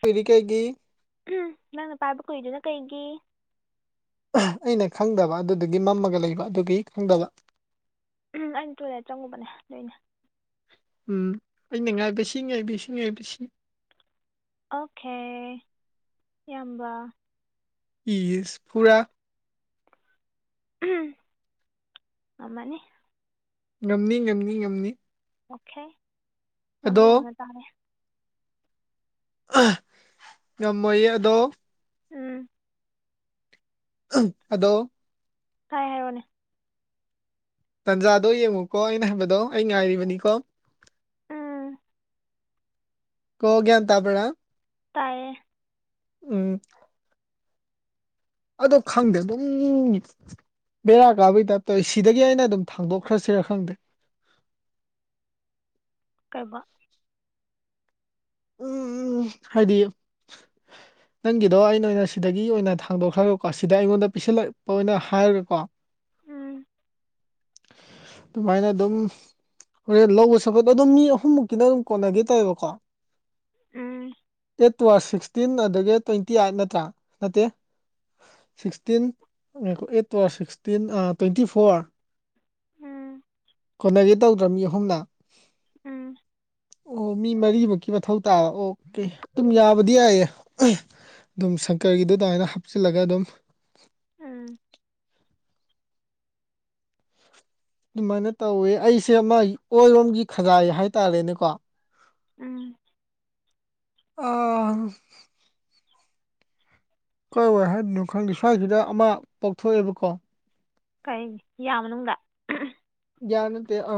ꯄꯤꯔꯤ ꯀꯩꯒꯤ ꯎꯝ ꯅꯪꯅ ꯄꯥꯏꯕ ꯀꯨꯏꯗꯨꯅ ꯀꯩꯒꯤ ꯑꯩꯅ ꯈꯪꯗꯕ ꯑꯗꯨꯗꯨꯒꯤ ꯃꯝꯃꯒ ꯂꯩꯕ ꯑꯗꯨꯒꯤ ꯈꯪꯗꯕ ꯎꯝ ꯑꯩꯅ ꯇꯣꯏꯂꯦꯠ ꯆꯪꯉꯨꯕꯅꯦ ꯑꯗꯨꯏꯅꯦ ꯎꯝ ꯑꯩꯅ ꯉꯥꯏꯕꯁꯤ ꯉꯥꯏꯕꯁꯤ ꯉꯥꯏꯕꯁꯤ ꯑꯣꯀꯦ ꯏꯌꯥꯝꯕ ꯏꯁ ꯐꯨꯔꯥ ꯎꯝ ꯉꯝꯃꯥꯅꯤ ꯉꯝꯅꯤ ꯉꯝꯅꯤ ꯉꯝꯅꯤ ꯑꯣꯀꯦ ꯑꯗꯣ ꯉꯝꯕ꯭ꯔꯥ ꯌꯦꯡꯅ ꯇꯥꯔꯦ ꯉꯝꯃꯣꯏꯌꯦ ꯑꯗꯣꯝ ꯎꯝ ꯑꯗꯣ ꯇꯥꯏ ꯍꯥꯏꯔꯛꯑ‌ꯣꯅꯦ ꯇꯟꯖꯥꯗꯣ ꯌꯦꯡꯉꯨꯀꯣ ꯑꯩꯅ ꯍꯥꯏꯕꯗꯣ ꯑꯩ ꯉꯥꯏꯔꯤꯕꯅꯤꯀꯣ ꯎꯝ ꯀꯣ ꯒ‍꯭ꯌꯥꯟ ꯇꯥꯕ꯭ꯔꯥ ꯇꯥꯌꯦ ꯎꯝ ꯑꯗꯣ ꯈꯪꯗꯦ ꯑꯗꯨꯝ ꯕꯦꯔꯥ ꯀꯥꯕꯩ ꯇꯥꯏꯞ ꯇꯧꯋ‌ꯦ ꯁꯤꯗꯒꯤ ꯑꯩꯅ ꯑꯗꯨꯝ ꯊꯥꯡꯗꯣꯛꯈ꯭ꯔꯁꯤꯔꯥ ꯈꯪꯗꯦ ꯀꯩꯕ ꯎꯝ ꯍꯥꯏꯗꯤ [inaudible] ꯅꯪꯒꯤꯗꯣ ꯑꯩꯅ ꯑꯣꯏꯅ ꯁꯤꯗꯒꯤ ꯑꯣꯏꯅ ꯊꯥꯡꯗꯣꯛꯈ꯭ꯔꯒꯀꯣ ꯁꯤꯗ ꯑꯩꯉꯣꯟꯗ ꯄꯤꯁꯜꯂꯛꯄ ꯑꯣꯏꯅ ꯍꯥꯏꯔꯒꯀꯣ ꯎꯝ ꯑꯗꯨꯃꯥꯏꯅ ꯑꯗꯨꯝ ꯍꯣꯔꯦꯟ ꯂꯧꯕ ꯁꯒꯠ ꯑꯗꯨꯝ ꯃꯤ ꯑꯍꯨꯝꯃꯨꯛꯀꯤꯅ ꯑꯗꯨꯝ ꯀꯣꯟꯅꯒꯦ ꯇꯧꯋ‌ꯦꯕꯀꯣ ꯎꯝ ꯑ‌ꯦꯠ ꯇꯨ ꯑꯔ ꯁꯤꯛꯁꯇꯤꯟ ꯑꯗꯒꯤ ꯇ꯭ꯋꯦꯟꯇꯤ ꯑꯥꯏꯠ ꯅꯠꯇ꯭ꯔꯥ ꯅꯠꯇꯦ ꯁꯤꯛꯁꯇꯤꯟ ꯉꯥꯏꯈ‌ꯣ eight two or sixteen twenty four ꯎꯝ ꯀꯣꯟꯅꯒꯦ ꯇꯧꯗ꯭ꯔ ꯃꯤ ꯑꯍꯨꯝꯅ ꯎꯝ ꯑꯣ ꯃꯤ ꯃꯔꯤꯃꯨꯛꯀꯤ ꯃꯊꯧ ꯇꯥꯕ ꯑꯣꯀꯦ ꯑꯗꯨꯝ ꯌꯥꯕꯗꯤ ꯌꯥꯏꯌꯦ ꯑꯨꯝ ꯑꯗꯨꯝ ꯁꯪꯀꯔꯒꯤꯗꯨ ꯑꯗꯨꯃꯥꯏꯅ ꯍꯥꯞꯆꯤꯜꯂꯒ ꯑꯗꯨꯝ ꯎꯝ ꯑꯗꯨꯃꯥꯏꯅ ꯇꯧꯋꯦ ꯑꯩꯁꯦ ꯑꯃ ꯑꯣꯏꯔꯣꯝꯒꯤ ꯈꯖꯥꯏ ꯍꯥꯏꯇꯥꯔꯦꯅꯦꯀꯣ ꯎꯝ ꯑꯥ ꯀꯥꯏ ꯋꯥꯏ ꯍꯥꯏꯗꯣꯏꯅꯣ ꯈꯪꯗꯦ ꯁ꯭ꯋꯥꯏꯁꯤꯗ ꯑꯃ ꯄꯣꯛꯊꯣꯛꯑꯦꯕꯀꯣ ꯀꯩ ꯌꯥ ꯃꯅꯨꯡꯗ ꯌꯥ ꯅꯠꯇꯦ ꯑ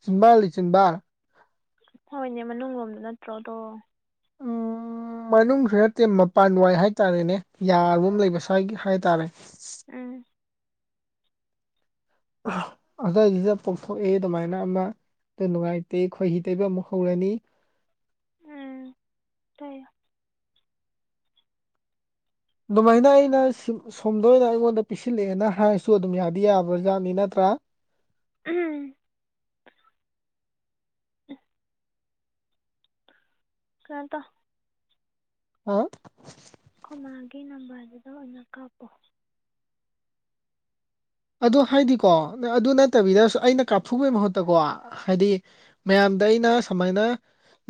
ꯆꯤꯟꯕꯥꯟ ꯅꯦ ꯆꯤꯟꯕꯥꯟ ꯍꯣꯏꯅꯦ ꯃꯅꯨꯡ ꯂꯣꯝꯗ ꯅꯠꯇ꯭ꯔꯣꯑꯗꯣ ꯎꯝ ꯃꯅꯨꯡꯁꯨ ꯅꯠꯇꯦ ꯃꯄꯥꯟꯋꯥꯏ ꯍꯥꯏꯇꯥꯔꯦꯅꯦ ꯌꯥ ꯑꯃ ꯂꯩꯕ ꯁ꯭ꯋꯥꯏꯒꯤ ꯍꯥꯏꯇꯥꯔꯦ ꯎꯝ ꯑꯗꯏꯗꯨꯗ ꯄꯣꯛꯊꯣꯛꯏ ꯑꯗꯨꯃꯥꯏꯅ ꯑꯃ ꯑꯗꯨ ꯅꯨꯡꯉꯥꯏꯇꯦ ꯈꯣꯏꯍꯤ ꯇꯩꯕ ꯑꯃꯨꯛ ꯍꯧꯔꯅꯤ ꯎꯝ ꯇꯩꯌꯣ ꯑꯗꯨꯃꯥꯏꯅ ꯑꯩꯅ ꯁꯣꯝꯗꯣꯏꯅ ꯑꯩꯉꯣꯟꯗ ꯄꯤꯁꯤꯜꯂꯛꯑꯦꯅ ꯍꯥꯏꯔꯁꯨ ꯑꯗꯨꯝ ꯌꯥꯗꯤ ꯌꯥꯕ꯭ꯔꯥꯖꯥꯠꯅꯤ ꯅꯠꯇ꯭ꯔꯥ ꯎꯝ ꯀꯩꯅꯣꯇꯧ ꯍꯥ ꯑꯩꯈꯨꯢꯃꯥꯒꯤ ꯅꯝꯕꯔꯗꯨꯗ ꯑꯣꯏꯅ ꯀꯥꯞꯄꯣ ꯑꯗꯨ ꯍꯥꯏꯗꯤꯀꯣ ꯑꯗꯨ ꯅꯠꯇꯕꯤꯗ ꯑꯩꯅ ꯀꯥꯞꯊꯨꯕꯩ ꯃꯍꯨꯠꯇꯀꯣ ꯍꯥꯏꯗꯤ ꯃꯌꯥꯝꯗ ꯑꯩꯅ ꯁꯨꯃꯥꯏꯅ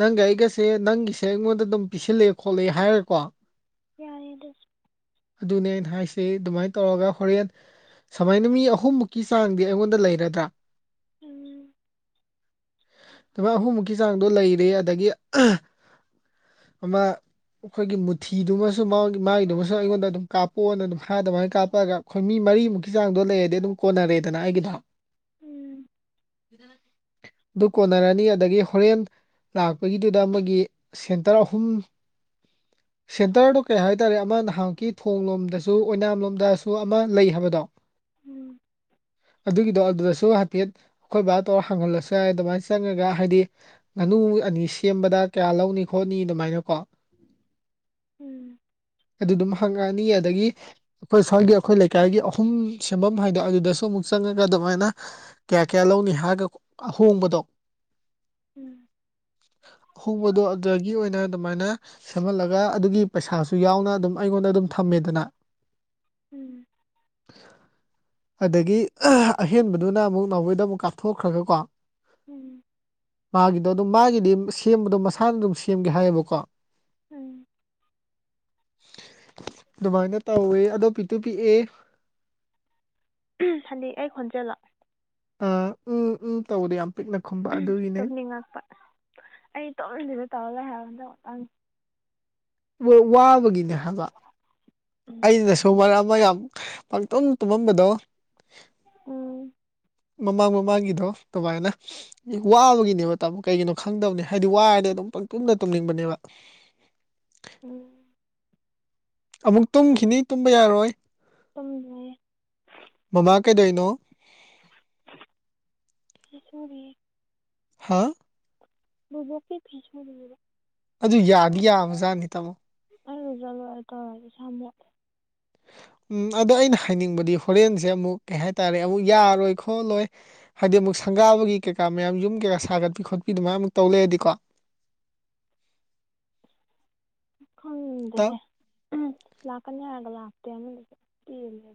ꯅꯪꯒ ꯑꯩꯒꯁꯦ ꯅꯪꯒꯤꯁꯦ ꯑꯩꯉꯣꯟꯗ ꯑꯗꯨꯝ ꯄꯤꯁꯤꯜꯂꯦ ꯈꯣꯠꯂꯛꯑꯦ ꯍꯥꯏꯔꯒꯀꯣ ꯌꯥꯔꯦ ꯑꯗꯨ ꯑꯗꯨꯅꯦ ꯑꯩꯅ ꯍꯥꯏꯁꯦ ꯑꯗꯨꯃꯥꯏꯅ ꯇꯧꯔꯒ ꯍꯣꯔꯦꯟ ꯁꯨꯃꯥꯏꯅ ꯃꯤ ꯑꯍꯨꯝꯃꯨꯛꯀꯤ ꯆꯥꯡꯗꯤ ꯑꯩꯉꯣꯟꯗ ꯂꯩꯔꯗ꯭ꯔꯥ ꯎꯝ ꯂꯨꯄꯥ ꯑꯍꯨꯝꯃꯨꯛꯀꯤ ꯆꯥꯡꯗꯣ ꯂꯩꯔꯦ ꯑꯗꯒꯤ ꯑꯃ ꯑꯩꯈꯣꯏꯒꯤ ꯃꯨꯊꯤꯗꯨꯃꯁꯨ ꯃꯥꯒꯤꯗꯨꯃꯁꯨ ꯑꯩꯉꯣꯟꯗ ꯑꯗꯨꯝ ꯀꯥꯞꯄꯛꯑꯣꯅ ꯑꯗꯨꯝ ꯊꯗꯃꯥꯏꯅ ꯀꯥꯞꯄꯛꯑꯒ ꯑꯩꯈꯣꯏ ꯃꯤ ꯃꯔꯤꯃꯨꯛꯀꯤ ꯆꯥꯡꯗꯣ ꯂꯩꯔꯗꯤ ꯑꯗꯨꯝ ꯀꯣꯟꯅꯔꯦꯗꯅ ꯑꯩꯒꯤꯗꯣ ꯎꯝ ꯑꯗꯨ ꯀꯣꯟꯅꯔꯅꯤ ꯑꯗꯒꯤ ꯍꯣꯔꯦꯟ ꯂꯥꯛꯄꯒꯤꯗꯨꯗ ꯑꯃꯒꯤ ꯁꯦꯟꯇꯔ ꯑꯍꯨꯝ [unintelligible] ꯁꯦꯟꯇꯔꯗꯣ ꯀꯩ ꯍꯥꯏꯇꯥꯔꯦ ꯑꯃ ꯅꯍꯥꯟ ꯃꯨꯛꯀꯤ ꯊꯣꯡ ꯂꯣꯝꯗꯁꯨ ꯑꯣꯏꯅꯥꯝꯂꯣꯝꯗꯁꯨ ꯑꯃ ꯂꯩ ꯍꯥꯏꯕꯗꯣ ꯑꯗꯨꯒꯤꯗꯣ ꯑꯗꯨꯗꯁꯨ ꯍꯥꯏꯐꯦꯠ ꯑꯩꯈꯣꯏ ꯕꯥ ꯇꯧꯔ ꯍꯥꯡꯍꯜꯂꯁꯨ ꯌꯥꯏ ꯑꯗꯨꯃꯥꯏꯅ ꯆꯪꯉꯒ ꯍꯥꯏꯗꯤ ꯉꯥꯅꯨ ꯑꯅꯤ ꯁꯦꯝꯕꯗ ꯀꯌꯥ ꯂꯧꯅꯤ ꯈꯣꯠꯅꯤ ꯑꯗꯨꯃꯥꯏꯅꯀꯣ ꯎꯝ ꯑꯗꯨ ꯑꯗꯨꯝ ꯍꯪꯉꯛꯑꯅꯤ ꯑꯗꯨꯗꯒꯤ ꯑꯩꯈꯣꯏ ꯁ꯭ꯋꯥꯏꯒꯤ ꯑꯩꯈꯣꯏ ꯂꯩꯀꯥꯏꯒꯤ [unintelligible] ꯁꯦꯝꯐꯝ ꯍꯥꯏꯗ ꯑꯗꯨꯗꯁꯨ ꯑꯃꯨꯛ ꯆꯪꯉꯒ ꯑꯗꯨꯃꯥꯏꯅ ꯀꯌꯥ ꯀꯌꯥ ꯂꯧꯅꯤ ꯍꯥꯏꯔꯒ ꯑꯍꯣꯡꯕꯗꯣ ꯑꯍꯣꯡꯕꯗꯣ ꯑꯗꯨꯗꯒꯤ ꯑꯣꯏꯅ ꯑꯗꯨꯃꯥꯏꯅ ꯁꯦꯝꯍꯜꯂꯒ ꯑꯗꯨꯒꯤ ꯄꯩꯁꯥꯁꯨ ꯌꯥꯎꯅ ꯑꯗꯨꯝ ꯑꯩꯉꯣꯟꯗ ꯑꯗꯨꯝ ꯊꯝꯃꯦꯗꯅ ꯎꯝ ꯑꯗꯒꯤ ꯑꯍꯦꯟꯕꯗꯨꯅ ꯑꯃꯨꯛ ꯅꯥꯎꯕꯣꯏꯗ ꯑꯃꯨꯛ ꯀꯥꯞꯊꯣꯛꯈ꯭ꯔꯒꯀꯣ ꯎꯝ ꯃꯥꯒꯤꯗꯣ ꯑꯗꯨꯝ ꯃꯥꯒꯤꯗꯤ ꯁꯦꯝꯕꯗꯣ ꯃꯁꯥꯅ ꯑꯗꯨꯝ ꯁꯦꯝꯒꯦ ꯍꯥꯏꯌꯦꯕꯀꯣ ꯎꯝ ꯑꯗꯨꯃꯥꯏꯅ ꯇꯧꯋꯦ ꯑꯗꯣ ꯄꯤꯛꯇꯨ ꯄꯤꯛꯑꯦ [unintelligible] ꯑꯩ ꯈꯣꯟꯖꯦꯜꯂꯣ ꯑ ꯎꯝ ꯎꯝ ꯇꯧꯗꫭ ꯌꯥꯝ ꯄꯤꯛꯅꯈꯨꯝ ꯇꯨꯝꯅꯤꯡꯉꯛꯄ ꯑꯩ ꯇꯨꯝꯗꯣꯏꯗ [unintelligible] ꯋꯥꯕꯒꯤꯅꯦ ꯍꯥꯏꯕ ꯑꯩꯅꯁꯨ ꯃꯔꯛ ꯑꯃ ꯌꯥꯝ ꯄꯡꯇꯨꯝ ꯇꯨꯝꯃꯝꯕꯗꯣ ꯎꯝ ꯃꯃꯥꯡ ꯃꯃꯥꯡꯒꯤꯗꯣ ꯗꯨꯃꯥꯏꯅ ꯋꯥꯕꯒꯤꯅꯦꯕ ꯇꯥꯃꯣ ꯀꯩꯒꯤꯅꯣ ꯈꯪꯗꯕꯅꯦ ꯍꯥꯏꯗꯤ ꯋꯥꯔꯗꯤ ꯑꯗꯨꯝ ꯄꯪ ꯇꯨꯝꯗ ꯇꯨꯝꯅꯤꯡꯕꯅꯦꯕ ꯎꯝ ꯑꯃꯨꯛ ꯇꯨꯝꯈꯤꯅꯤ ꯇꯨꯝꯕ ꯌꯥꯔꯣꯏ ꯇꯨꯝ [unintelligible] ꯃꯃꯥ ꯀꯩꯗꫭꯏꯅꯣ ꯐꯤ ꯁꯨꯔꯤ ꯍꯥꯥ ꯕꯨꯕꯣꯛꯀꯤ ꯐꯤ ꯁꯨꯔꯤꯌꯦꯕ ꯑꯗꯨ ꯌꯥꯗꯤ ꯌꯥꯕꯖꯥꯠꯅꯤ ꯇꯥꯃꯣ ꯑꯩ ꯂꯨꯖꯥ ꯂꯣꯏꯔ ꯇꯧꯔꯒꯦ ꯏꯁꯥ ꯃꯣꯠꯂꯦ ꯎꯝ ꯑꯗꯣ ꯑꯩꯅ ꯍꯥꯏꯅꯤꯡꯕꯗꯤ ꯍꯣꯔꯦꯟꯁꯦ ꯑꯃꯨꯛ ꯀꯩ ꯍꯥꯏꯇꯥꯔꯦ ꯑꯃꯨꯛ ꯌꯥꯔꯣꯏ ꯈꯣꯠꯂꯣꯏ ꯍꯥꯏꯗꯤ ꯑꯃꯨꯛ ꯁꯪꯒꯥꯕꯒꯤ ꯀꯩꯀꯥ ꯃꯌꯥꯝ ꯌꯨꯝ ꯀꯩꯀꯥ ꯁꯥꯒꯠꯄꯤ ꯈꯣꯠꯄꯤ ꯑꯗꯨꯃꯥꯏ ꯑꯃꯨꯛ ꯇꯧ ꯂꯩꯔꯗꯤꯀꯣ ꯇ ꯈꯪꯗꯦꯍꯦ ꯂꯥꯛꯀꯅꯤ ꯍꯥꯏꯔꯒ ꯂꯥꯛꯇꯦ ꯑꯃꯗꯨꯁꯨ ꯄꯦꯜꯂꯦ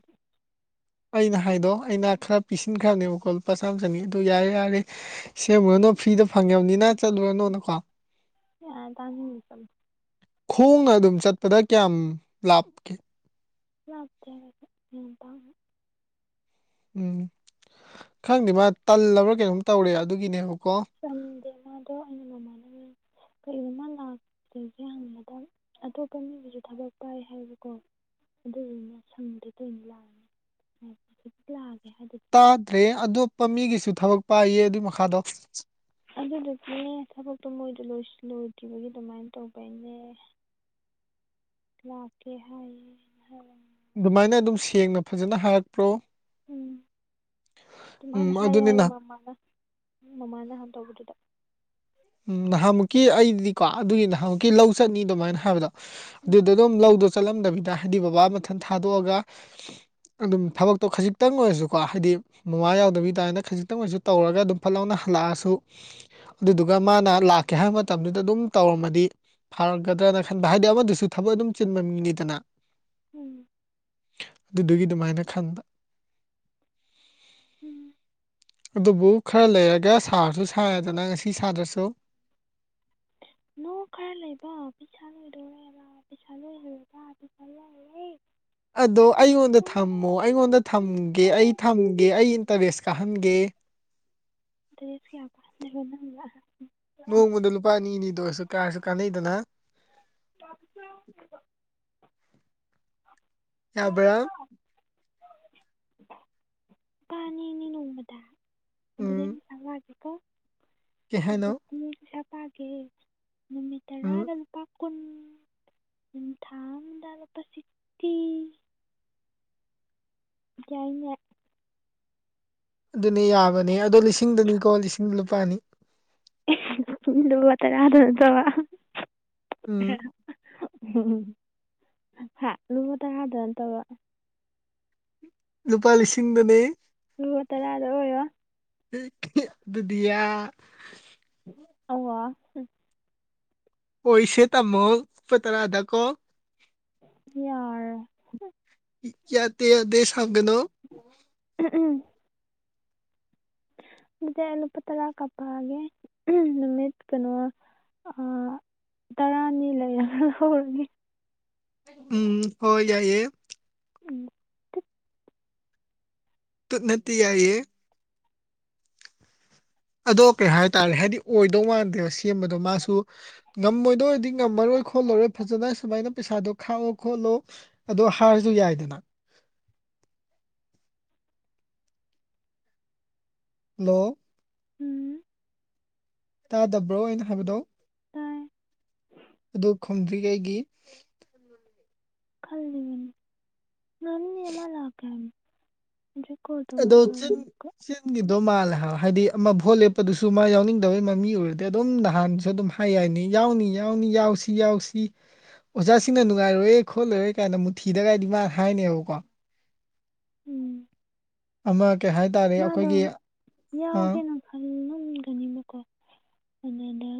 ꯑꯩꯅ ꯍꯥꯏꯗꯣ ꯑꯩꯅ ꯈꯔ ꯄꯤꯁꯤꯟꯈ꯭ꯔꯕꯅꯦꯕꯀꯣ ꯂꯨꯄꯥ ꯆꯥꯝ ꯆꯥꯅꯤ ꯑꯗꯨ ꯌꯥꯔꯦ ꯌꯥꯔꯦ ꯁꯦꯝꯃꯨꯔꯅꯨ ꯐ꯭ꯔꯤꯗ ꯐꯪꯉꯕꯅꯤꯅ ꯆꯠꯂꯨꯔꯅꯨꯅꯀꯣ [unintelligible] [unintelligible] ꯈꯣꯡꯅ ꯑꯗꯨꯝ ꯆꯠꯄꯗ ꯀꯌꯥꯝ ꯂꯥꯞꯀꯦ ꯂꯥꯞꯇꯦ ꯍꯥꯏ [unintelligible] ꯎꯝ ꯈꯪꯗꯦ ꯃꯥ ꯇꯜꯂꯕ꯭ꯔꯥ ꯀꯩꯅꯣꯝ ꯇꯧꯔꯦ ꯑꯗꯨꯒꯤꯅꯦꯕꯀꯣ ꯇꯟꯗꯦ ꯃꯥꯗꯣ ꯑꯩꯅ [unintelligible] ꯀꯔꯤꯒꯨꯝꯕ [unintelligible] ꯍꯪꯕꯗ ꯑꯇꯣꯞꯄ ꯃꯤꯗꯨꯁꯨ ꯊꯕꯛ ꯄꯥꯏ ꯍꯥꯏꯌꯦꯕꯀꯣ ꯑꯗꯨꯗꯨꯅ ꯁꯪꯗ ꯇꯣꯏꯅꯤ [unintelligible] ꯂꯥꯛꯑꯒꯦ ꯍꯥꯏꯗ ꯇꯥꯗ꯭ꯔꯦ ꯑꯗꫭꯞꯄ ꯃꯤꯒꯤꯁꯨ ꯊꯕꯛ ꯄꯥꯏꯌꯦ ꯑꯗꯨꯒꯤ ꯃꯈꯥꯗꯣ ꯑꯗꯨꯗꯨꯒꯤꯅꯦ ꯊꯕꯛꯇꯣ ꯃꯣꯏꯗꯣ ꯂꯣꯏꯁꯤꯜ ꯂꯣꯏꯗꯔꯤꯕꯒꯤ ꯑꯗꯨꯃꯥꯏꯅ ꯇꯧꯕꯩꯅꯦ ꯂꯥꯛꯀꯦ ꯍꯥꯏꯌꯦ [unintelligible] ꯑꯗꯨꯃꯥꯏꯅ ꯑꯗꯨꯝ ꯁꯦꯡꯅ ꯐꯖꯅ ꯍꯥꯏꯔꯛꯄ꯭ꯔꯣ ꯎꯝ ꯑꯗꯨꯃꯥꯏꯅ ꯎꯝ ꯍꯥꯏꯌꯦ ꯑꯗꯨꯅꯤ ꯍꯥꯏꯌꯦ ꯅꯍ ꯃꯃꯥꯅ ꯃꯃꯥꯅ ꯅꯍꯥꯟ ꯇꯧꯕꯗꯨꯗ ꯎꯝ ꯅꯍꯥꯟꯃꯨꯛꯀꯤ ꯑꯩꯗꯤꯀꯣ ꯑꯗꯨꯒꯤ ꯅꯍꯥꯟꯃꯨꯛꯀꯤ ꯂꯧ ꯆꯠꯅꯤ ꯑꯗꯨꯃꯥꯏꯅ ꯍꯥꯏꯕꯗꯣ ꯎꯝ ꯑꯗꯨꯗ ꯑꯗꯨꯝ ꯂꯧꯗꯨ ꯆꯠꯂꯝꯗꯕꯤꯗ ꯍꯥꯏꯗꯤ ꯕꯕꯥ ꯃꯊꯟ ꯊꯥꯗꯣꯛꯑꯒ ꯑꯗꯨꯝ ꯊꯕꯛꯇꯣ ꯈꯖꯤꯛꯇꯪ ꯑꯣꯏꯔꯁꯨꯀꯣ ꯍꯥꯏꯗꯤ ꯃꯃꯥ ꯌꯥꯎꯗꯕꯤ ꯇꯥꯏꯅ ꯈꯖꯤꯛꯇꯪ ꯑꯣꯏꯁꯨ ꯇꯧꯔꯒ ꯑꯗꯨꯝ ꯐꯠ ꯂꯥꯎꯅ ꯍꯜꯂꯛꯑꯁꯨ ꯑꯗꯨꯗꯨ ꯑꯗꯨꯒ ꯃꯥꯅ ꯂꯥꯛꯀꯦ ꯍꯥꯏꯕ ꯃꯇꯝꯗꯨꯗ ꯑꯗꯨꯝ ꯇꯧꯔꯝꯃꯗꯤ ꯐꯥꯔꯛꯀꯗ꯭ꯔꯅ ꯈꯟꯕ ꯍꯥꯏꯗꯤ ꯑꯃꯗꯨꯁꯨ ꯊꯕꯛ ꯑꯗꯨꯝ ꯆꯤꯟꯕ ꯃꯤꯅꯤꯗꯅꯥ ꯎꯝ ꯗꯨꯗꯨꯒꯤ ꯗꯨꯃꯥꯏꯅ ꯈꯟꯕ ꯎꯝ ꯑꯗꯨꯕꯨ ꯈꯔꯥ ꯂꯩꯔꯒ ꯁꯥꯔꯁꯨ ꯁꯥꯔꯦꯗꯅ ꯉꯁꯤ ꯁꯥꯗ꯭ꯔꯥꯁꯨ ꯅꯣ ꯈꯔꯥ ꯂꯩꯕ ꯄꯩꯁꯥ ꯂꯣꯏꯗꯣꯔꯦꯕ ꯄꯩꯁꯥ ꯂꯣꯏꯔꯦꯕꯥ ꯄꯩꯁꯥ ꯂꯣꯏꯔꯦ ꯑꯗꯣ ꯄꯩꯁꯥ ꯑꯩꯉꯣꯟꯗ ꯂꯣꯏꯈ꯭ꯔꯦ ꯊꯝꯃꯣ ꯑꯩꯉꯣꯟꯗ ꯎꯝ ꯊꯝꯒꯦ ꯑꯩ ꯊꯝꯒꯦ ꯑꯩ ꯏꯟꯇꯔꯦꯁ꯭ꯠ ꯀꯥꯍꯟꯒꯦ ꯏꯟꯇꯔꯦꯁ꯭ꯠ ꯀꯌꯥ ꯀꯥꯍꯟ ꯗꯣꯏꯕ ꯅꯪꯅ ꯅꯣꯡꯃꯗ ꯂꯨꯄꯥ ꯑꯅꯤ ꯑꯅꯤꯗ ꯑꯣꯏꯔꯁꯨ ꯀꯥꯔꯁꯨ ꯀꯥꯟꯅꯩꯗꯅ ꯇꯥ ꯐꯩꯍꯧ ꯌꯥꯕ꯭ꯔꯥ ꯅꯨꯨꯄꯥ ꯑꯅꯤ ꯑꯅꯤ ꯅꯣꯡꯃꯗ ꯑꯗꯨꯗꯤ ꯎꯝ ꯄꯩꯁꯥ ꯌꯥꯗꯦꯀꯣ ꯀꯩ ꯑꯗꯨ__ ꯍꯥꯏꯅꯣ ꯎꯝ ꯄꯩꯁꯥ ꯄꯥꯒꯦ ꯅꯨꯃꯤꯠ ꯎꯝ ꯇꯔꯥꯗ ꯂꯨꯄꯥ ꯀꯨꯟ ꯎꯃ ꯊꯥꯃꯗ ꯂꯨꯄꯥ ꯁꯤꯛꯇꯤ ꯌꯥꯏꯅꯦ ꯑꯗꯨꯅꯦ ꯌꯥꯕꯅꯦ ꯑꯗꯣ ꯂꯤꯁꯤꯡꯗꯅꯤꯀꯣ ꯂꯤꯁꯤꯗ ꯂꯨꯄꯥ ꯑꯅꯤ [unintelligible] ꯂꯨꯄꯥ ꯇꯔꯥ ꯗꯨꯔꯣ ꯗꯣ [unintelligible] ꯎꯝ [unintelligible] ꯍꯥ ꯂꯨꯕ ꯇꯔꯥꯗ ꯅꯥꯠꯇꯕ ꯂꯨꯄꯥ ꯂꯤꯁꯤꯡ ꯗꯅꯦ ꯂꯨꯄꯥ ꯇꯔꯥꯗ ꯑꯣꯏꯔꯣ [unintelligible] ꯑꯗꯨꯗꯤ ꯌꯥ ꯑꯧꯋꯥ ꯑꯣꯏꯁꯦ ꯇꯥꯝꯃꯣ ꯂꯨꯄꯥ ꯇꯔꯥꯗ ꯀꯣ ꯌꯥꯔꯦ ꯌꯥꯇꯦ ꯌꯥꯗꯦ ꯁꯧꯒꯅꯣ ꯎꯝ ꯎꯝ ꯗꯨꯗꯤ ꯑꯩ ꯂꯨꯄꯥ ꯇꯔꯥ ꯀꯞꯄꯥꯛ ꯑꯒꯦ ꯅꯨꯃꯤꯠ ꯀꯩꯅꯣ ꯑꯥ ꯇꯔꯥꯅꯤ ꯂꯩꯔꯒ ꯂꯧꯔꯒꯦ ꯎꯝ ꯍꯣꯏ ꯌꯥꯏꯌꯦ ꯎꯝ ꯇꯨꯠ ꯅꯠꯇꯦ ꯌꯥꯏꯌꯦ ꯑꯗꯣ ꯀꯩ ꯍꯥꯏꯇꯥꯔꯦ ꯍꯥꯏꯗꯤ ꯑꯣꯏꯗꯧ ꯃꯥꯟꯗꯦꯕ ꯁꯦꯝꯕꯗꯣ ꯃꯥꯁꯨ ꯉꯝꯃꯣꯏꯗꯣꯏ ꯑꯣꯏꯗꯤ ꯉꯝꯃꯔꯣꯏ ꯈꯣꯠꯂꯔꯣꯏ ꯐꯖꯅ ꯁꯨꯃꯥꯏꯅ ꯄꯩꯁꯥꯗꯣ ꯈꯥꯛꯑꯣ ꯈꯣꯠꯂꯣ ꯑꯗꯣ ꯍꯥꯏꯔꯁꯨ ꯌꯥꯏꯗꯅ ꯅꯣ ꯎꯝ ꯇꯥꯗꯕ꯭ꯔꯣ ꯑꯩꯅ ꯍꯥꯏꯕꯗꯣ ꯑꯗꯨ ꯈꯣꯨꯝꯗ꯭ꯔꯤ ꯀꯩꯒꯤ [unintelligible] ꯈꯜꯂꯤꯕꯅꯤ ꯉꯝꯅꯤ ꯃꯥ ꯂꯛꯀꯦ ꯍꯥꯏꯕꯅꯦ ꯑꯗꯨꯗꯤ ꯀꯣꯠ ꯇꯣ__ ꯑꯗꯣ ꯆꯤꯟ ꯆꯤꯟ ꯒꯤꯗꯣ ꯃꯥꯜꯂꯦ ꯍꯥꯏꯕ ꯍꯥꯏꯗꯤ ꯑꯃ ꯚꯣꯠ ꯂꯦꯞꯄꯗꯨꯁꯨ ꯃꯥ ꯌꯥꯎꯅꯤꯡꯗꯕꯩ ꯃꯃꯤ ꯑꯣꯏꯔꯗꯤ ꯑꯗꯨꯝ ꯅꯍꯥꯟꯁꯨ ꯑꯗꯨꯝ ꯍꯥ__ ꯍꯥꯏ ꯌꯥꯏꯅꯤ ꯌꯥꯎꯅꯤ ꯌꯥꯎꯅꯤ ꯌꯥꯎꯁꯤ ꯌꯥꯎꯁꯤ ꯑꯣꯖꯥꯁꯤꯡꯅ ꯅꯨꯡꯉꯥꯏꯔꯣꯏꯑꯦ ꯈꯣꯠꯂꯥꯔꯣꯏ ꯀꯥꯏꯅ ꯃꯨꯠꯊꯤꯗꯒꯥꯏꯗꯤ ꯃꯥꯅ ꯍꯥꯏꯅꯦꯕꯀꯣ ꯎꯝ ꯑꯃ ꯀꯩ ꯍꯥꯏꯅꯤ ꯃꯥꯗꯣ ꯌꯥꯎꯒꯦꯅ ꯈꯜꯂꯝꯒꯅꯤꯕꯀꯣ ꯑꯗꯨꯗ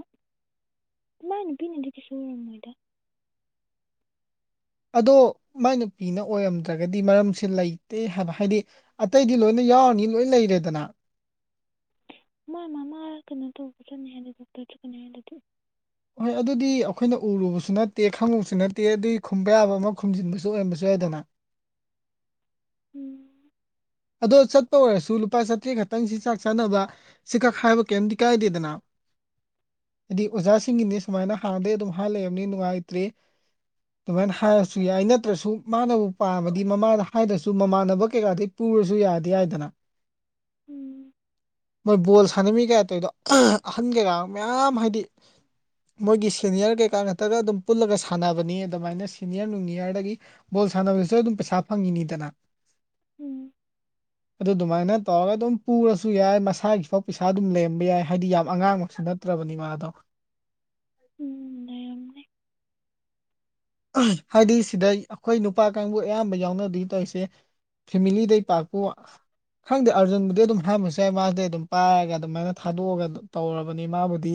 ꯃꯥꯏ ꯅꯨꯄꯤꯅꯗꯤ ꯀꯩꯁꯨꯜ ꯑꯣꯏꯔꯝꯃꯣꯏꯗ ꯑꯗꯣ ꯃꯥꯏ ꯅꯨꯄꯤꯅ ꯑꯣꯏꯔꯝꯗ꯭ꯔꯒꯗꯤ ꯃꯔꯝꯁꯦ ꯂꯩꯇꯦ ꯍꯥꯏꯕ ꯍꯥꯏꯗꯤ ꯑꯇꯩꯗꯤ ꯂꯣꯏꯅ ꯌꯥꯎꯔꯅꯤ ꯂꯣꯏ ꯂꯩꯔꯦꯗꯅ ꯃꯥ ꯃꯥ ꯃꯥ ꯀꯩꯅꯣ ꯇꯧꯕꯁꯨꯠꯅꯤ ꯍꯥꯏꯗꯤ ꯗꯣꯛꯇꯔ ꯆꯠꯀꯅꯤ ꯍꯥꯏꯗꯗꯤ ꯍꯣꯏ ꯑꯗꯨꯗꯤ ꯑꯩꯈꯣꯏꯅ ꯎꯔꯨꯕꯁꯨ ꯅꯠꯇꯦ ꯈꯪꯉꯨꯕꯁꯨ ꯅꯠꯇꯦ ꯑꯗꯨꯏ ꯈꯨꯝꯕ ꯌꯥꯕ ꯑꯃ ꯈꯨꯝꯖꯤꯟꯕꯁꯨ ꯑꯣꯏꯔꯝꯕꯁꯨ ꯌꯥꯏꯗꯅ ꯎꯝ ꯑꯗꯣ ꯆꯠꯄ ꯑꯣꯏꯔꯁꯨ ꯂꯨꯄꯥ ꯆꯥꯇ꯭ꯔꯦꯠ ꯈꯛꯇꯪꯁꯤ ꯆꯥꯛ ꯆꯥꯅꯕ ꯁꯤ ꯈꯛ ꯍꯥꯏꯕ ꯀꯩꯝꯇ ꯀꯥꯏꯗꯦꯗꯅ ꯍꯥꯏꯗꯤ ꯑꯣꯖꯥꯁꯤꯡꯒꯤꯅꯤ ꯁꯨꯃꯥꯏꯅ ꯍꯥꯟꯅꯗꯒꯤ ꯑꯗꯨꯝ ꯍꯥꯟꯅ ꯂꯩꯕꯅꯤ ꯅꯨꯡꯉꯥꯏꯇ꯭ꯔꯤ ꯑꯗꯨꯃꯥꯏꯅ ꯍꯥꯏꯔꯁꯨ ꯌꯥꯏ ꯅꯠꯇ꯭ꯔꯁꯨ ꯃꯥꯅꯕꯨ ꯄꯥꯝꯃꯗꯤ ꯃꯃꯥꯗ ꯍꯥꯏꯗ꯭ꯔꯁꯨ ꯃꯃꯥꯟꯅꯕ ꯀꯩꯀꯥꯗꯤ ꯄꯨꯔꯁꯨ ꯌꯥꯗꯤ ꯌꯥꯏꯗꯅ ꯎꯝ ꯃꯣꯏ ꯕꯣꯜ ꯁꯥꯟꯅꯃꯤ ꯀꯌꯥ ꯇꯧꯏꯗꯣ ꯑꯍꯟ ꯀꯩꯀꯥ ꯃꯌꯥꯝ ꯍꯥꯏꯗꯤ ꯃꯣꯏꯒꯤ ꯁꯦꯅꯤꯌꯔ ꯀꯩꯀꯥ ꯉꯛꯇꯒ ꯑꯗꯨꯝ ꯄꯨꯜꯂꯒ ꯁꯥꯟꯅꯕꯅꯤ ꯑꯗꯨꯃꯥꯏꯅ ꯁꯦꯅꯤꯌꯔ ꯅꯨꯡꯅꯤꯌꯔꯗꯒꯤ ꯕꯣꯜ ꯁꯥꯟꯅꯕꯗꯁꯨ ꯑꯗꯨꯝ ꯄꯩꯁꯥ ꯐꯪꯉꯤꯅꯤꯗꯅ ꯎꯝ ꯑꯗꯨ ꯑꯗꯨꯃꯥꯏꯅ ꯇꯧꯔꯒ ꯑꯗꯨꯝ ꯄꯨꯔꯁꯨ ꯌꯥꯏ ꯃꯁꯥꯒꯤꯐꯥꯎ ꯄꯩꯁꯥ ꯑꯗꯨꯝ ꯂꯩꯔꯝꯕ ꯌꯥꯏ ꯍꯥꯏꯗꯤ ꯌꯥꯝ ꯑꯉꯥꯡꯃꯛꯁꯨ ꯅꯠ ꯅꯠꯇ꯭ꯔꯕꯅꯤ ꯃꯥ ꯗꯣ ꯎꯝ ꯂꯩ ꯔꯝꯅꯦ ꯍꯥꯏꯗꯤ ꯁꯤꯗ ꯑꯩꯈꯣꯏ ꯅꯨꯄꯥ ꯀꯥꯡꯕꯨ ꯑꯌꯥꯝꯕ ꯌꯥꯎꯅꯗꯧ ꯇꯧꯔꯤꯁꯦ ꯐꯦꯃꯤꯂꯤꯗꯩ ꯄꯥꯛꯄꯨ ꯈꯪꯗꯦ ꯑꯥꯔꯖꯨꯟꯕꯨꯗꯤ ꯑꯗꯨꯝ ꯍꯪꯉꯁꯨ ꯌꯥꯏ ꯃꯥꯁꯤꯗꯤ ꯑꯗꯨꯝ ꯄꯥꯏꯔꯒ ꯑꯗꯨꯃꯥꯏꯅ ꯊꯥꯗꯣꯛꯑꯒ ꯇꯧꯔꯕꯅꯤ ꯃꯥꯕꯨꯗꯤ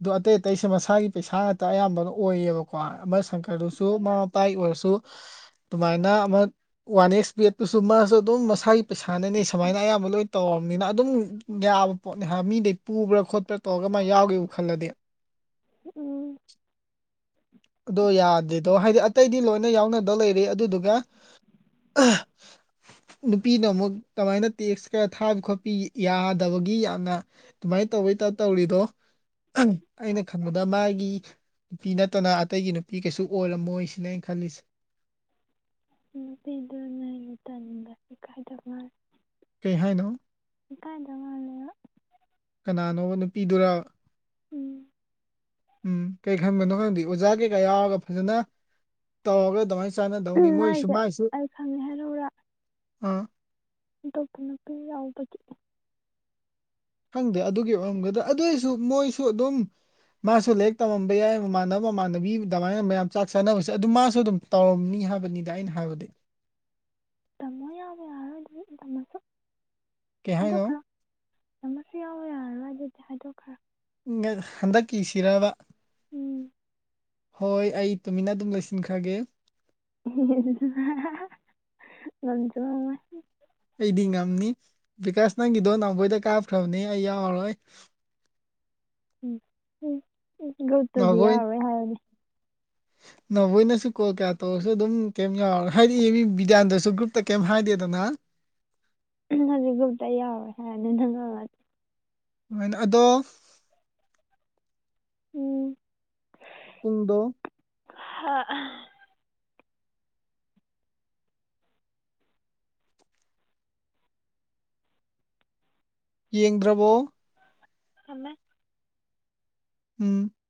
ꯑꯗꯣ ꯑꯇꯩ ꯑꯇꯩꯁꯦ ꯃꯁꯥꯒꯤ ꯄꯩꯁꯥ ꯉꯥꯛꯇ ꯑꯌꯥꯝꯕꯅ ꯑꯣꯏꯌꯦꯕꯀꯣ ꯕꯁ [unintelligible] ꯑꯗꯨꯁꯨ ꯃꯃꯥ ꯃꯄꯥꯒꯤ ꯑꯣꯏꯔꯁꯨ ꯑꯗꯨꯃꯥꯏꯅ ꯑꯃ ꯋꯥꯟ ꯑꯦꯛꯁ ꯕꯦꯠꯇꯨꯁꯨ ꯃꯥꯁꯨ ꯑꯗꯨꯝ ꯃꯁꯥꯒꯤ ꯄꯩꯁꯥꯅꯅꯤ ꯁꯨꯃꯥꯏꯅ ꯑꯌꯥꯝꯕ ꯂꯣꯏꯅ ꯇꯧꯔꯕꯔꯕꯅꯤꯅ ꯑꯗꯨꯝ ꯌꯥꯕ ꯄꯣꯠꯅꯤ ꯍꯥꯏ ꯃꯤꯗꯩ ꯄꯨꯕ꯭ꯔꯥ ꯈꯣꯠꯄ꯭ꯔꯥ ꯇꯧꯔꯒ ꯃꯥ ꯌꯥꯎꯒꯦꯕꯨ ꯈꯜꯂꯗꯤ ꯎꯝ ꯑꯗꯣ ꯌꯥꯗꯤꯗꯣ ꯍꯥꯏꯗꯤ ꯑꯇꯩꯗꯤ ꯂꯣꯏꯅ ꯌꯥꯎꯅꯗꯧ ꯂꯩꯔ ꯑꯗꯨꯗꯨꯒ ꯅꯨꯄꯤꯅ ꯑꯃꯨꯛ ꯀꯃꯥꯏꯅ ꯇꯦꯛꯁ ꯈꯔ ꯊꯥꯕ ꯈꯣꯠꯄꯤ ꯌꯥꯗꯕꯒꯤ ꯌꯥꯝꯅ ꯇꯃꯥꯏ ꯇꯧ ꯕꯒꯤ ꯇꯥꯞ ꯇꯧ ꯇꯧꯔꯤꯗꯣ ꯑꯩꯅ ꯈꯟꯕꯗ ꯃꯥꯒꯤ ꯅꯨꯄꯤ ꯅꯠꯇꯅ ꯑꯇꯩꯒꯤ ꯅꯨꯄꯤ ꯀꯩꯁꯨ ꯑꯣꯏꯔꯝꯃꯣꯏ ꯁꯤꯅꯦ ꯑꯩꯅ ꯈꯜꯂꯤꯁꯦ ꯅꯨꯄꯤꯗꯨ ꯅ ꯑꯩꯅ ꯇꯟ [unintelligible] ꯀꯥꯏꯗꯧ ꯃꯥꯔ ꯀꯩ ꯍꯥꯏꯅꯣ ꯏꯀꯥꯏꯗ ꯃꯟꯂꯦꯕ ꯀꯅꯥꯅꯣꯕ ꯅꯨꯄꯤꯗꯨꯔ ꯎꯝ ꯎꯝ ꯀꯩ ꯈꯟꯕꯅꯣ ꯈꯪꯗ ꯑꯣꯖꯥ ꯀꯩꯀꯥ ꯌꯥꯎꯔꯒ ꯐꯖꯅ ꯇꯧꯔꯒ ꯑꯗꯨꯃꯥꯏꯅ ꯆꯥꯟꯅꯗꯧꯅꯤ ꯃꯣꯏꯁꯨ ꯃꯥꯏꯁꯨ ꯑꯥ ꯑꯇꯣꯞꯄ ꯅꯨꯄꯤ ꯌꯥꯎꯕꯒꯤ ꯈꯪꯗꯦ ꯑꯗꯨꯒꯤ ꯑꯣꯏꯔꯝꯒꯗ ꯑꯗꯨꯑꯣꯏꯁꯨ ꯃꯣꯏꯁꯨ ꯑꯗꯨꯝ ꯃꯥꯁꯨ ꯂꯥꯏꯔꯤꯛ ꯇꯝꯃꯝꯕ ꯌꯥꯏ ꯃꯃꯥꯟꯅꯕ ꯃꯃꯥꯟꯅꯕꯤ ꯑꯗꯨꯃꯥꯏꯅ ꯃꯌꯥꯝ ꯆꯥꯛ ꯆꯥꯅꯕꯁꯦ ꯑꯗꯨꯝ ꯃꯥꯁꯨ ꯑꯗꯨꯝ ꯇꯧꯔꯝꯅꯤ ꯍꯥꯏꯕꯅꯤꯗ ꯑꯩꯅ ꯍꯥꯏꯕꯗꯤ ꯇꯝꯃꯣ ꯌꯥꯔꯣ ꯌꯥꯔꯣꯏ ꯑꯗꯨꯗꯤ ꯇꯝꯃꯁꯨ ꯀꯩ ꯍꯥꯏꯅꯣ ꯍꯥꯏꯗꯣꯛꯈ꯭ꯔꯣ [inaudible] ꯑꯃꯁꯨ ꯌꯥꯎꯕ ꯌꯥꯔꯔꯣꯏ ꯑꯗꯨꯗꯤ ꯍꯥꯏꯗꯣꯛꯈ꯭ꯔꯣ ꯍꯟꯗꯛꯀꯤ ꯁꯤꯔꯕ ꯎꯝ ꯍꯣꯏ ꯑꯩ ꯇꯨꯃꯤꯟꯅ ꯑꯗꯨꯝ ꯂꯣꯏꯁꯤꯟꯈ꯭ꯔꯒꯦ [inaudible] ꯑꯩꯗꯤ ꯉꯝꯅꯤ ꯕꯤꯀꯥꯁ ꯅꯪꯒꯤꯗꯣ ꯅꯥꯎꯈꯣꯏꯗ ꯀꯥꯞꯈ꯭ꯔꯕꯅꯦ ꯑꯩꯗꯤ ꯌꯥꯎꯔꯔꯣꯏ ꯎꯝ ꯎꯝ ꯎꯝ ꯂꯦꯞꯇꯔꯁꯨ [unintelligible] ꯅꯥꯎꯕꯣꯏ ꯌꯥꯎꯔꯔꯣꯏ ꯍꯥꯏꯕꯅꯤ ꯅꯥꯎꯕꯣꯏ ꯅꯁꯨ ꯀꯣꯜ ꯀꯌꯥ ꯇꯧꯔꯁꯨ ꯑꯗꯨꯝ ꯀꯩꯝ ꯌꯥꯎꯔꯔꯣꯏ ꯍꯥꯏꯗꯤ ꯃꯤ ꯕꯤꯗ꯭ꯌꯥꯟꯅꯟꯗꯅꯁꯨ ꯒ꯭ꯔꯨꯞꯇ ꯀꯩꯝ ꯍꯥꯏꯗꯦꯗꯅ [inaudible] ꯑꯗꯣ ꯎꯝ ꯄꯨꯡꯗꯣ ꯍꯥ ꯌꯦꯡꯗ꯭ꯔꯕꯣ ꯊꯝꯃꯦ ꯎꯝ